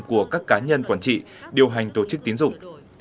của các cá nhân quản trị điều hành tổ chức tín dụng